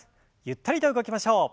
ゆったりと動きましょう。